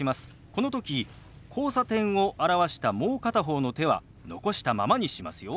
この時「交差点」を表したもう片方の手は残したままにしますよ。